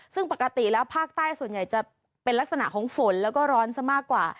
ซึ่งปกติแล้วภาคใต้ส่วนใหญ่จะเป็นลักษณะของฝนแล้วก็ร้อนซะมากกว่า